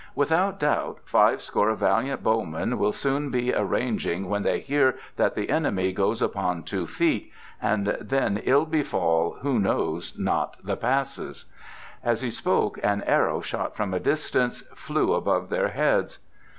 Without doubt fivescore valiant bowmen will soon be a ranging when they hear that the enemy goes upon two feet, and then ill befall who knows not the passes." As he spoke an arrow, shot from a distance, flew above their heads.